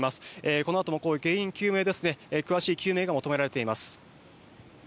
このあとも原因の詳しい究明が求められています。